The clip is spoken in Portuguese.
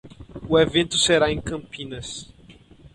O evento será em Campinas.